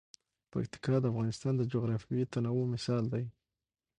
پکتیکا د افغانستان د جغرافیوي تنوع مثال دی.